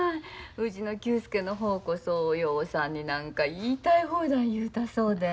うちの久助の方こそ陽さんに何か言いたい放題言うたそうで。